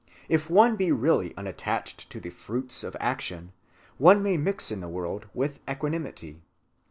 If one be really unattached to the fruits of action, one may mix in the world with equanimity.